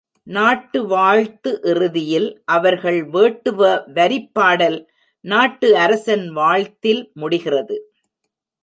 நாட்டு வாழ்த்து இறுதியில் அவர்கள் வேட்டுவ வரிப்பாடல் நாட்டு அரசன் வாழ்த்தில் முடிகிறது.